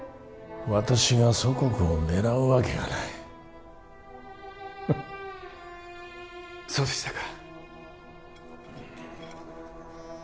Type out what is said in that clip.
私が祖国を狙うわけがないハッそうでしたか